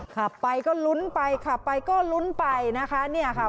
ขับไปก็ลุ้นไปขับไปก็ลุ้นไปนะคะ